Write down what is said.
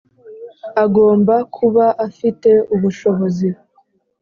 Agomba kuba afite ubushobozi